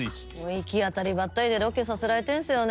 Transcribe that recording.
行き当たりばったりでロケさせられてんすよね。